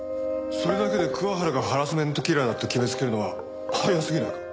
それだけで桑原がハラスメントキラーだと決めつけるのは早すぎないか？